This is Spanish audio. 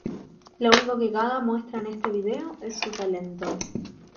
Lo único que Gaga muestra en este video es su talento.